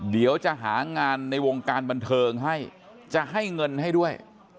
เดี๋ยวจะหางานในวงการบันเทิงให้จะให้เงินให้ด้วย